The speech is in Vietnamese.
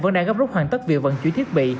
vẫn đang gấp rút hoàn tất việc vận chuyển thiết bị